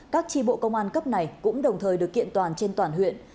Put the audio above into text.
các tri bộ công an cấp này cũng đồng thời được kiện toàn trên toàn huyện